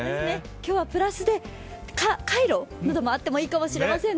今日はプラスでカイロなどもあってもいいかもしれませんね。